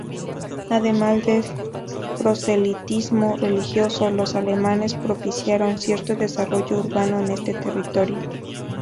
Además del proselitismo religioso los alemanes propiciaron cierto desarrollo urbano en este territorio.